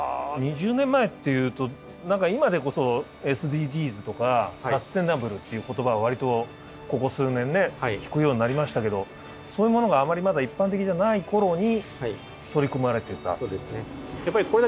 ２０年前っていうと何か今でこそＳＤＧｓとかサスティナブルっていう言葉は割とここ数年ね聞くようになりましたけどそういうものがあまりまだ一般的じゃない頃に取り組まれてた。